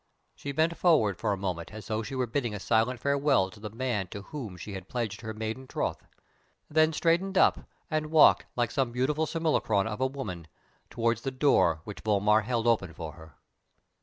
She bent forward for a moment as though she were bidding a silent farewell to the man to whom she had pledged her maiden troth, then straightened up and walked like some beautiful simulacrum of a woman towards the door which Vollmar held open for her....